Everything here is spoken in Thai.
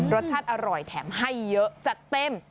รสชาติอร่อยแถมให้เยอะจัดเต็ม